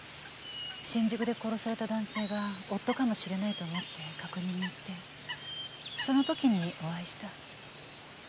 新宿で殺された男性が夫かもしれないと思って確認に行ってその時にお会いした。